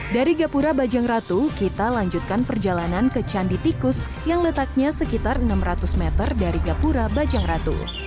dari gapura bajang ratu kita lanjutkan perjalanan ke candi tikus yang letaknya sekitar enam ratus meter dari gapura bajang ratu